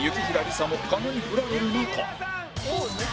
左も狩野にフラれる中